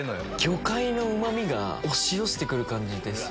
魚介のうまみが押し寄せてくる感じです。